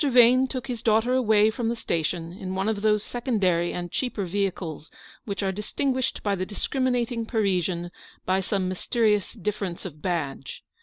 Vane took his daughter away from the station in one of those secondary and cheaper vehicles which are distinguished by the discrimi nating Parisian by some mysterious difference of badge.